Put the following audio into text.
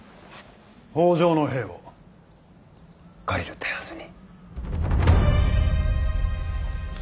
北条の兵を借りる手はずに。